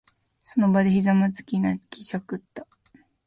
その場にひざまずき、泣きじゃくった。